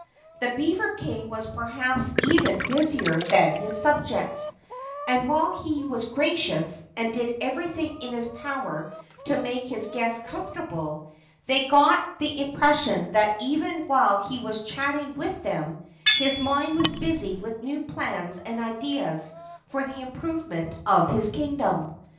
The beaver King was perhaps even busier than his subjects, and while he was gracious and did everything in his power to make his guests comfortable, they got the impression that even while he was chatting with them his mind was busy with new plans and ideas for the improvement of his kingdom.